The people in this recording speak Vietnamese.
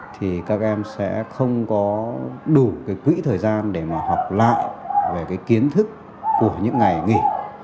thì các em sẽ không có đủ cái quỹ thời gian để mà học lại về cái kiến thức của những ngày nghỉ